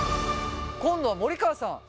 今度は森川さん。